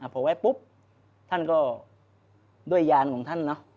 พอไว้ปุ๊บท่านก็ด้วยยานของท่านเนอะ